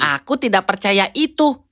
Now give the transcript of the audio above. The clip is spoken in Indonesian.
aku tidak percaya itu